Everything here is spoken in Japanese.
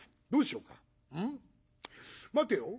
待てよ。